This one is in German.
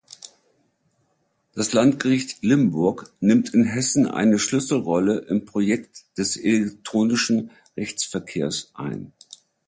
Das Landgericht Limburg nimmt in Hessen eine Schlüsselrolle im Projekt des elektronischen Rechtsverkehrs ein.